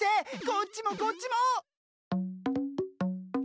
こっちもこっちも！